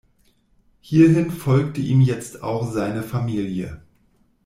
Hierhin folgte ihm jetzt auch seine Familie.